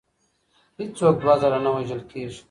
هیڅ څوک دوه ځله نه وژل کیږي.